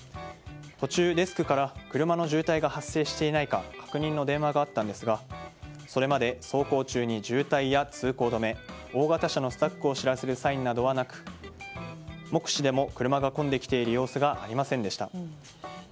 途中、デスクから車の渋滞が発生していないか確認の電話があったんですがそれまで走行中に渋滞や通行止め大型車のスタックを知らせるサインなどはなく目視でも車が混んできている様子がありませんでした。